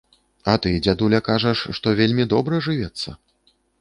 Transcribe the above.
А ты, дзядуля, кажаш, што вельмі добра жывецца.